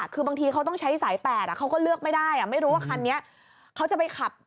คือบางทีเขาต้องใช้สาย๘เขาก็เลือกไม่ได้ไม่รู้ว่าคันนี้เขาจะไปขับ